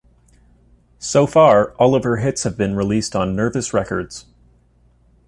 So far, all of her hits have been released on Nervous Records.